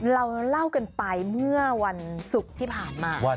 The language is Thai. เราเล่ากันไปเมื่อวันศุกร์ที่ผ่านมา